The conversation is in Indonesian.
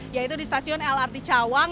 yaitu di stasiun lrt cawang